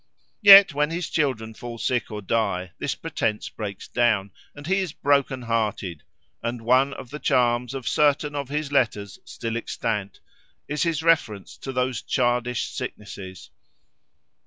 Yet when his children fall sick or die, this pretence breaks down, and he is broken hearted: and one of the charms of certain of his letters still extant, is his reference to those childish sicknesses.